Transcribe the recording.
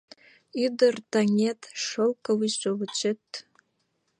Ӱдыр-таҥет - шёлковый шовычет